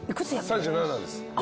３７です。